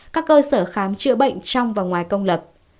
các cơ sở khám chữa bệnh trong và ngoài công lập